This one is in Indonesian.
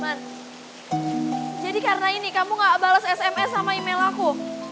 mar jadi karena ini kamu gak bales sms sama email aku